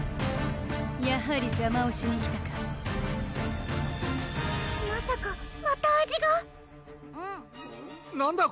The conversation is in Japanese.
やはり邪魔をしに来たかまさかまた味がうっなんだ